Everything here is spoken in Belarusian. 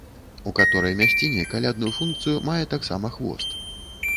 У каторай мясціне калядную функцыю мае таксама хвост.